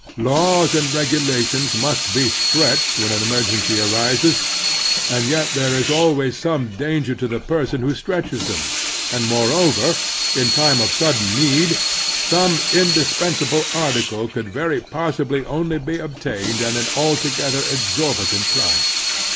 Laws and regulations must be stretched when an emergency arises, and yet there is always some dan ger to the person who stretches them ; and, more over in time of sudden need, some indispensable article can very possibly only be obtained at an altogether exorbitant price.